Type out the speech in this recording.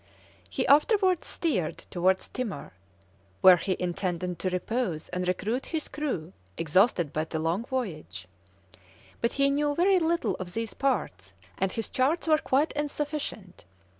He afterwards steered towards Timor, where he intended to repose and recruit his crew, exhausted by the long voyage. But he knew little of these parts, and his charts were quite insufficient.